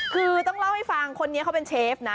คือต้องเล่าให้ฟังคนนี้เขาเป็นเชฟนะ